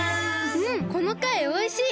うんこのかいおいしい！